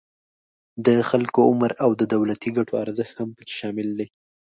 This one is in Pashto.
د خلکو عمر او د دولتی ګټو ارزښت هم پکې شامل دي